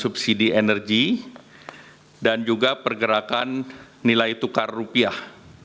subsidi energi dan juga pergerakan nilai tukar rupiah